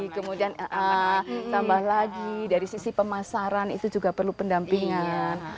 kemudian tambah lagi dari sisi pemasaran itu juga perlu pendampingan